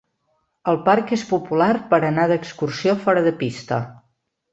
El parc és popular per anar d'excursió fora de pista.